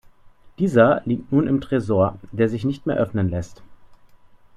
Dieser liegt nun im Tresor, der sich nicht mehr öffnen lässt.